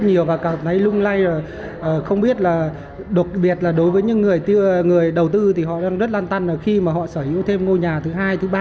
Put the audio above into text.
nhiều người không biết là đối với những người đầu tư thì họ đang rất lan tăn khi mà họ sở hữu thêm ngôi nhà thứ hai thứ ba